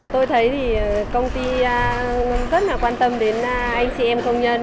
tôi thấy công ty rất quan tâm đến anh chị em công nhân